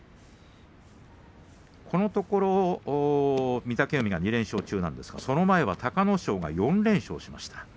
このところ御嶽海が２連勝中なんですけど、その前は隆の勝が４連勝しました。